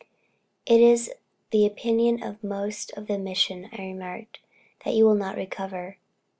"It is the opinion of most of the mission," I remarked, "that you will not recover."